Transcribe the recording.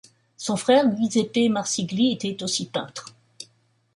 Son frère, Giuseppe Marsigli, était aussi peintre.